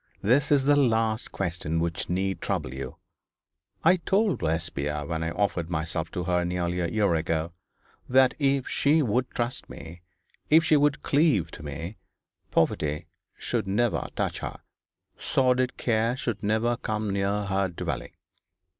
That is the last question which need trouble you. I told Lesbia when I offered myself to her nearly a year ago, that if she would trust me, if she would cleave to me, poverty should never touch her, sordid care should never come near her dwelling.